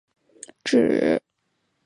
指定派遣球员异动上的专有名词。